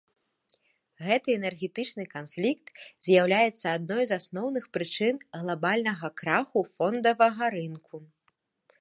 Гэты энергетычны канфлікт з'яўляецца адной з асноўных прычын глабальнага краху фондавага рынку.